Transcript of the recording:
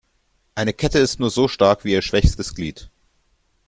Eine Kette ist nur so stark wie ihr schwächstes Glied.